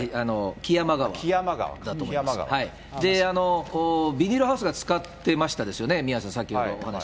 木山川、ビニールハウスがつかってましたよね、宮根さん、さっきのお話。